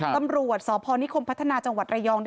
ตำรวจสพนิคมพัฒนาจังหวัดระยอง